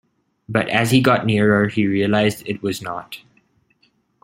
But as he got nearer he realised it was not.